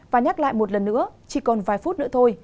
và nhắc lại một lần nữa chỉ còn vài phút nữa thôi